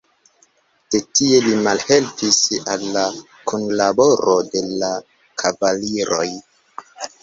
De tie li malhelpis al la kunlaboro de la kavaliroj.